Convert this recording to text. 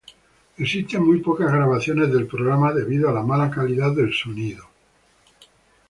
Existen muy pocas grabaciones del programa debido a la mala calidad del sonido.